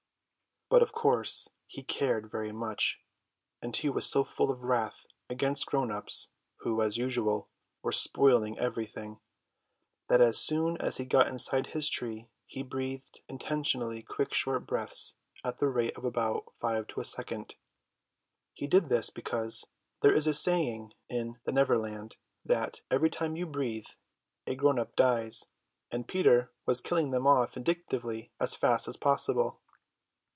But of course he cared very much; and he was so full of wrath against grown ups, who, as usual, were spoiling everything, that as soon as he got inside his tree he breathed intentionally quick short breaths at the rate of about five to a second. He did this because there is a saying in the Neverland that, every time you breathe, a grown up dies; and Peter was killing them off vindictively as fast as possible.